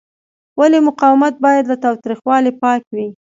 ولې مقاومت باید له تاوتریخوالي پاک وي؟